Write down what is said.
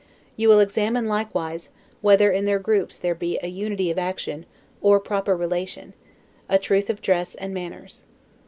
You will examine, likewise, whether in their groups there be a unity of action, or proper relation; a truth of dress and manners.